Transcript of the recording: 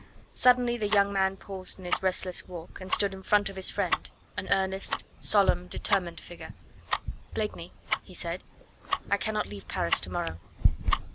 Suddenly the young man paused in his restless walk and stood in front of his friend an earnest, solemn, determined figure. "Blakeney," he said, "I cannot leave Paris to morrow."